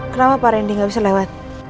kenapa pak rendy gak bisa lewat